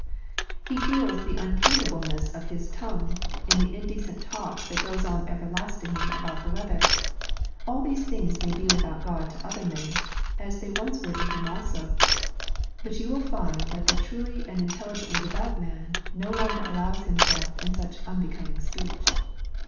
He feels the untameableness of his tongue in the indecent talk that goes on everlastingly about the weather. All these things may be without God to other men, as they once were to him also, but you will find that the truly and the intelligently devout man no longer allows himself in such unbecoming speech.